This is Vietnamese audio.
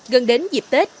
gần đến dịp tết